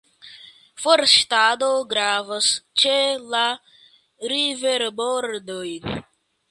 Forstado gravas ĉe la riverbordoj.